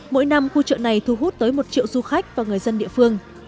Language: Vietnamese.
mỗi năm khu chợ này thu hút tới một triệu du khách và người dân địa phương